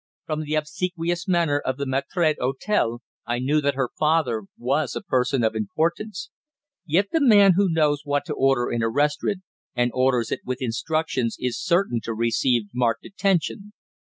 From the obsequious manner of the maître d'hotel I knew that her father was a person of importance. Yet the man who knows what to order in a restaurant, and orders it with instructions, is certain to receive marked attention.